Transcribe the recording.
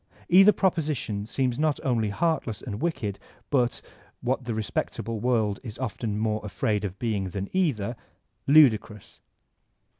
Either proposition seems not only heartless and wicked but, — what the respectable world is often more afraid of being than either, — ^ludi* crous.